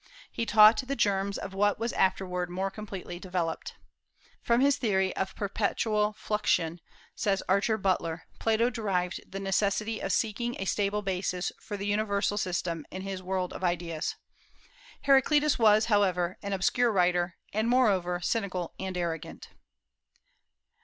He taught the germs of what was afterward more completely developed. "From his theory of perpetual fluxion," says Archer Butler, "Plato derived the necessity of seeking a stable basis for the universal system in his world of ideas." Heraclitus was, however, an obscure writer, and moreover cynical and arrogant.